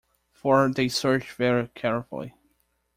For they search very carefully.